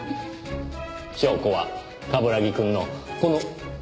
証拠は冠城くんのこの眼鏡です。